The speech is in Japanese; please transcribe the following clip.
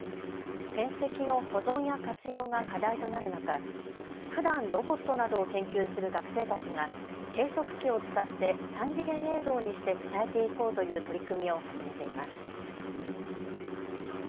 戦跡の保存や活用が課題となる中、ふだんロボットなどを研究する学生たちが計測器を使って３次元映像にして伝えていこうという取り組みを始めています。